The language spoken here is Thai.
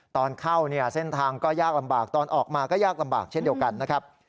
ตอนเข้าเนี่ยเส้นทางก็ยากลำบากตอนออกมาก็ยากลำบากเช่นเดียวกันนะครับ